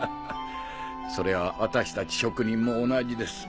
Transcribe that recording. それは私たち職人も同じです。